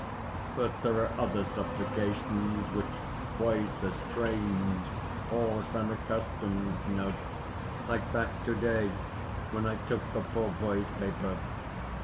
But there are other supplications which voice a strange, hoarse, unaccustomed note, like that today when I took the poor boy's paper.